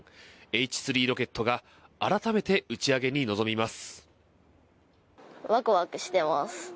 Ｈ３ロケットが改めて打ち上げに臨みます。